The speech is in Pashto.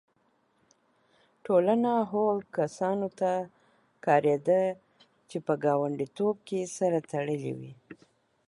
ټولنه هغو کسانو ته کارېده چې په ګانډیتوب کې سره تړلي وي.